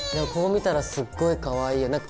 こう見たらすっごいかわいいよ。